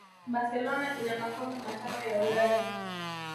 barcelona ina makombe matano ya ulaya